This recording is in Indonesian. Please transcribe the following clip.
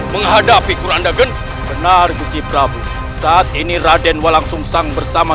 menghadapi kuranda geng benar guci prabu saat ini raden walangsungsa bersama